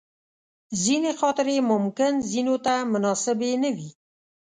ځینې خاطرې ممکن ځینو ته مناسبې نه وي.